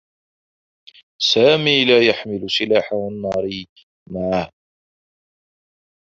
سامي لا يحمل سلاحه النّاري معه.